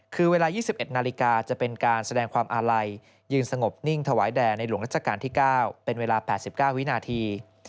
คือเวลา๒๑นาฬิกาจะเป็นการแสดงความอาลัยยืนสงบนิ่งถวายแด่ในหลวงรัชกาลที่๙เป็นเวลา๘๙วินาที